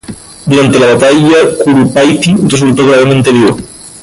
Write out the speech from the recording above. Durante la batalla de Curupaytí resultó gravemente herido.